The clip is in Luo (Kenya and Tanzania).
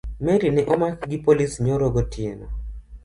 Mary ne omak gi polis nyoro gotieno